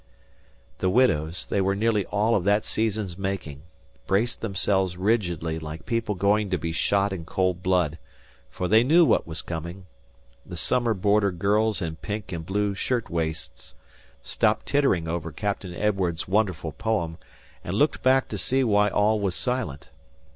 The widows they were nearly all of that season's making braced themselves rigidly like people going to be shot in cold blood, for they knew what was coming. The summer boarder girls in pink and blue shirt waists stopped tittering over Captain Edwardes's wonderful poem, and looked back to see why all was silent.